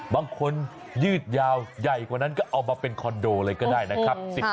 บางคนยืดยาวใหญ่กว่านั้นก็เอามาเป็นคอนโดเลยก็ได้นะครับ